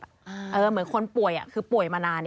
เหมือนคนป่วยคือป่วยมานาน